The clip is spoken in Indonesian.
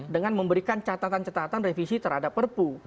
dengan memberikan catatan catatan revisi terhadap perpu